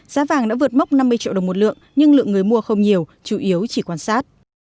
giá vàng đã vượt mốc năm mươi triệu đồng một lượng nhưng lượng người mua không nhiều chủ yếu chỉ quan sát